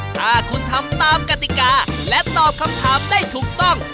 ถ้าคุณทำตามกติกาและตอบคำถามได้ถูกต้อง